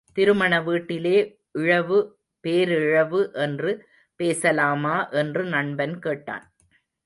திருமண வீட்டிலே இழவு, பேரிழவு என்று பேசலாமா என்று நண்பன் கேட்டான்.